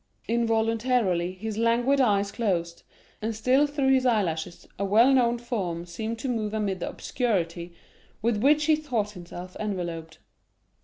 Involuntarily his languid eyes closed, and still through his eyelashes a well known form seemed to move amid the obscurity with which he thought himself enveloped.